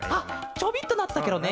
ちょびっとなってたケロね。